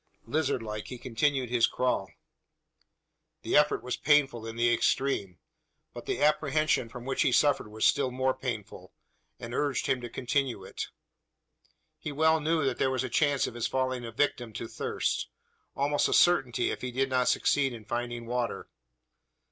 Lizard like, he continued his crawl. The effort was painful in the extreme; but the apprehension from which he suffered was still more painful, and urged him to continue it. He well knew there was a chance of his falling a victim to thirst almost a certainty, if he did not succeed in finding water.